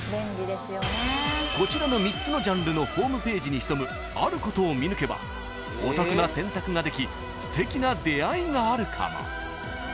［こちらの３つのジャンルのホームページに潜むあることを見抜けばお得な選択ができすてきな出会いがあるかも］